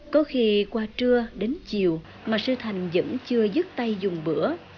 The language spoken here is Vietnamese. có khi qua trưa đến chiều mà sư thành vẫn chưa dứt tay dùng bữa